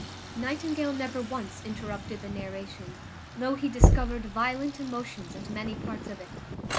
Nightingale never once interrupted the narration, though he discovered violent emotions at many parts of it.